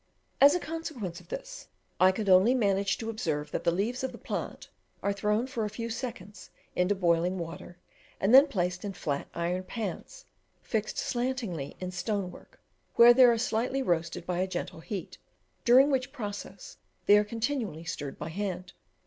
In consequence of this I could only manage to observe that the leaves of the plant are thrown for a few seconds into boiling water, and then placed in flat iron pans, fixed slantingly in stone work, where they are slightly roasted by a gentle heat, during which process they are continually stirred by hand.